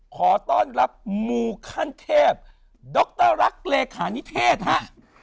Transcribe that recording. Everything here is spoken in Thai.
ขอต้อนรับมูขั้นเทพดรรักเลขานิเทศฮะ